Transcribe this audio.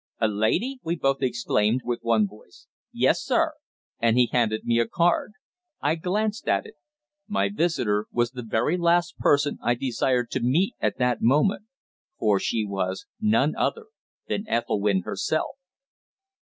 "A lady?" we both exclaimed, with one voice. "Yes, sir," and he handed me a card. I glanced at it. My visitor was the very last person I desired to meet at that moment, for she was none other than Ethelwynn herself.